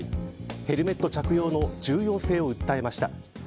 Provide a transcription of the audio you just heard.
ヘルメット着用の重要性を訴えました。